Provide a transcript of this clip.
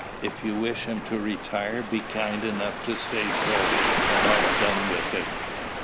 "If you wish him to retire, be kind enough to say so, and have done with it.